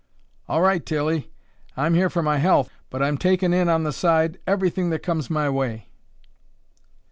"All right, Tilly! I'm here for my health, but I'm takin' in on the side everything that comes my way!"